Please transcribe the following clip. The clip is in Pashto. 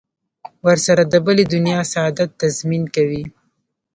ورسره د بلې دنیا سعادت تضمین کوي.